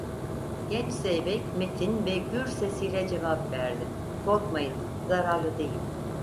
Genç zeybek metin ve gür sesiyle cevap verdi: - Korkmayın, zararlı değil…